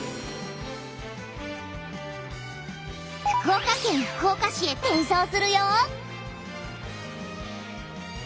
福岡県福岡市へ転送するよ！